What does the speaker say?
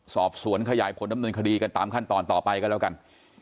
สอบสวนขยายผลดำเนินคดีกันตามขั้นตอนต่อไปก็แล้วกัน